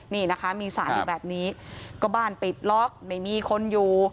นี่นะคะมีสารอยู่แบบนี้ก็บ้านปิดล็อกไม่มีคนอยู่